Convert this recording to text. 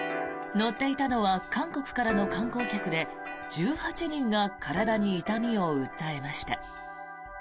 乗っていたのは韓国からの観光客で１８人が体に痛みを訴えました。